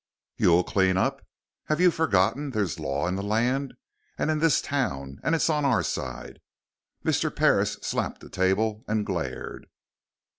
"You'll clean up! Have you forgotten there's law in the land and in this town. And it's on our side!" Mr. Parris slapped the table and glared.